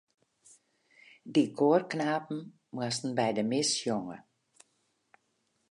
Dy koarknapen moasten by de mis sjonge.